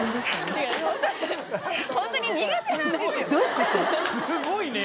すごい。